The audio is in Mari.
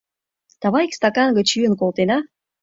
Давай ик стакан гыч йӱын колтена.